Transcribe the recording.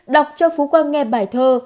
đọc cho phú quang nghe bài thơ